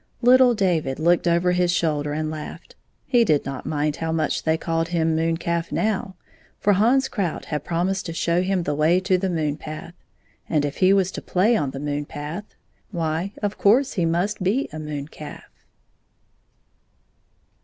Little David looked over his shoulder and laughed. He did not mind how much they called him moon calf now, for Hans Krout had promised to show him the way to the moon path, and if he was to play on the moon path, why, of course he must be a moon calf.